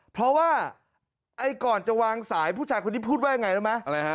เพราะว่าก่อนจะวางสายผู้ชายคนนี้พูดว่ายังไงรู้ไหม